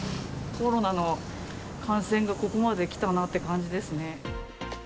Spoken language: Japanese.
コロナの感染がここまで来たなって感じですね。